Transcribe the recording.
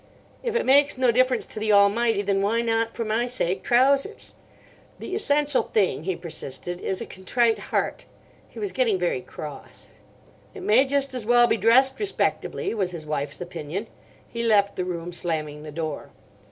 'If it makes no difference to the Almighty, then why not, for my sake, trousers?' "'The essential thing,' he persisted, 'is a contrite heart.' He was getting very cross. "'It may just as well be dressed respectably,' was his wife's opinion. He left the room, slamming the door.